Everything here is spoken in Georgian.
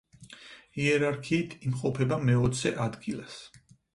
იერარქიით იმყოფება მეოცე ადგილას.